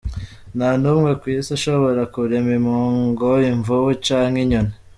"Nta n’umwe kw’isi ashobora kurema impongo, imvubu canke inyoni.